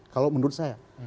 kalau menurut saya